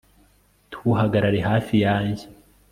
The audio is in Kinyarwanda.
ntuhagarare hafi yanjye